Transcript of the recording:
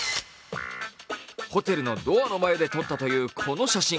ホテルのドアの前で撮ったというこの写真。